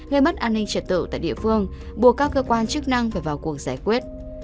gây mất an ninh trật tự tại địa phương buộc các cơ quan chức năng phải vào cuộc giải quyết